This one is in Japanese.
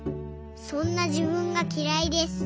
そんなじぶんがきらいです。